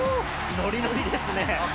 ノリノリですね。